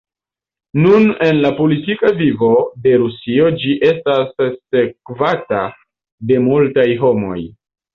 Nun en la politika vivo de Rusio ĝi estas sekvata de multaj homoj.